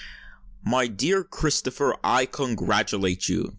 "My dear Sir Christopher, I congratulate you!"